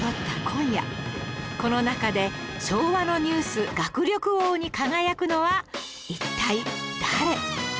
今夜この中で昭和のニュース学力王に輝くのは一体誰？